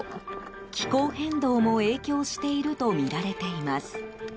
気候変動も影響しているとみられています。